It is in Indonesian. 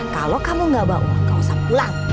kalau kamu enggak bawa uang enggak usah pulang